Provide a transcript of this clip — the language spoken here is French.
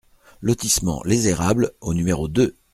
Lotissement Les Érables au numéro deux